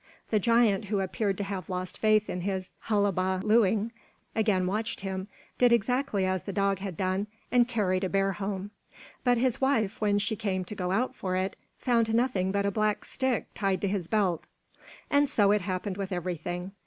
The giant, who appeared to have lost faith in his hullaba looing, again watched him, did exactly as the dog had done, and carried a bear home; but his wife, when she came to go out for it, found nothing but a black stick tied to his belt. And so it happened with everything.